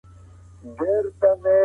قانوني سزاګانې عبرت وي.